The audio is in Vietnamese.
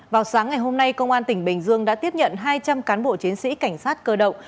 vào sáng ngày hôm nay công an tỉnh bình dương đã tiếp nhận hai trăm linh cán bộ chiến sĩ cảnh sát cơ động